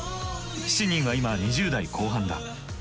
７人は今２０代後半だ。